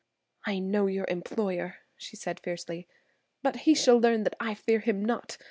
"I know your employer!" she said fiercely. "But he shall learn that I fear him not.